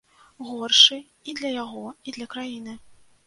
Горшы і для яго, і для краіны.